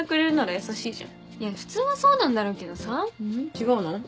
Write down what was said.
違うの？